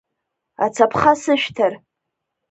Ацаԥха сышәҭар!